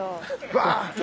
バッ！